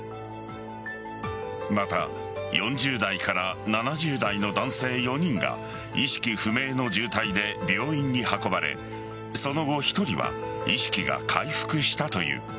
また４０代から７０代の男性４人が意識不明の重体で病院に運ばれその後１人は意識が回復したという。